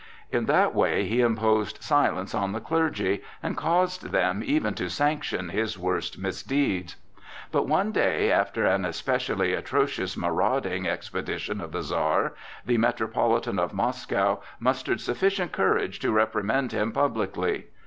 In that way he imposed silence on the clergy, and caused them even to sanction his worst misdeeds. But one day, after an especially atrocious marauding expedition of the Czar, the Metropolitan of Moscow mustered sufficient courage to reprimand him publicly.